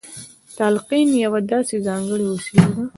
تلقين يوه داسې ځانګړې وسيله ده.